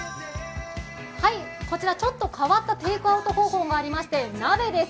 ちょっと変わったテイクアウト方法がありまして鍋です。